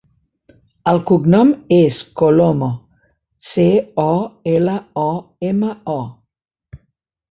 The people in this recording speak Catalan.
El cognom és Colomo: ce, o, ela, o, ema, o.